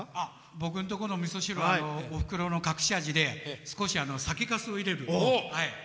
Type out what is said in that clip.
僕のところのみそ汁はおふくろの隠し味で酒かすを入れる。